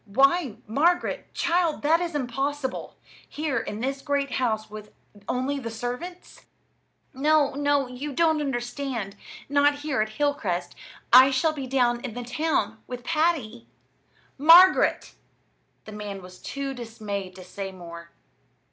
Why, Margaret, child, that is impossible! here in this great house with only the servants?" "No, no, you don't understand; not here at Hilcrest. I shall be down in the town with Patty." "Margaret!" The man was too dismayed to say more.